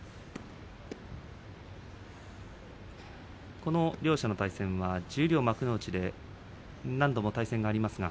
この両者の対戦は十両、幕内で何度も対戦があります。